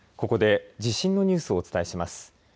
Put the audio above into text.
ここで地震のニュースをお伝えします。